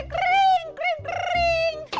กริ๊ก